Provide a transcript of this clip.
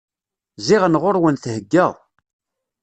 Ziɣen ɣur-wen thegga.